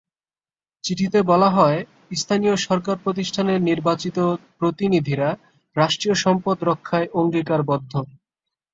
চিঠিতে বলা হয়, স্থানীয় সরকার প্রতিষ্ঠানের নির্বাচিত প্রতিনিধিরা রাষ্ট্রীয় সম্পদ রক্ষায় অঙ্গীকারবদ্ধ।